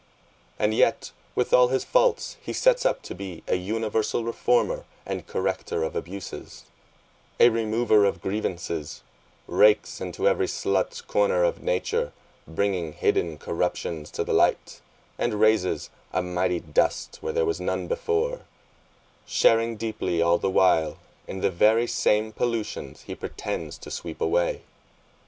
And yet, with all his faults, he sets up to be an universal reformer and corrector of abuses, a remover of grievances, rakes into every sluts' corner of nature, bringing hidden corruptions to the light, and raises a mighty dust where there was none before, sharing deeply all the while in the very same pollutions he pretends to sweep away.